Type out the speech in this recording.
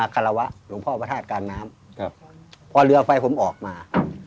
สวยทาสคือมา